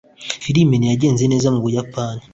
filime ntiyagenze neza mu buyapani